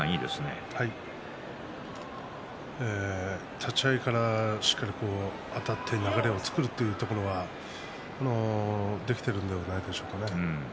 立ち合いからしっかりあたって流れを作るというところはできているのではないでしょうかね。